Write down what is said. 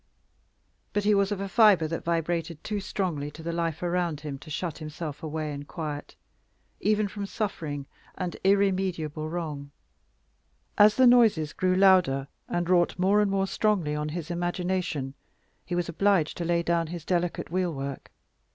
But he was of a fiber that vibrated too strongly to the life around him to shut himself away in quiet, even from suffering and irremediable wrong. As the noises grew louder, and wrought more and more strongly on his imagination, he was obliged to lay down his delicate wheel work.